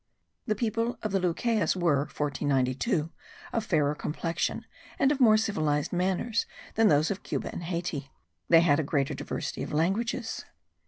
[The people of the Lucayes were (1492) of fairer complexion and of more civilized manners than those of Cuba and Hayti. They had a great diversity of languages.